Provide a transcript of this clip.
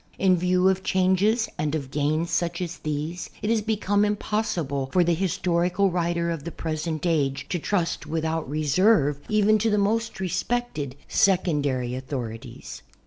In view of changes and of gains such as these, it has become impossible for the historical writer of the present age to trust without reserve even to the most respected • secondary authorities.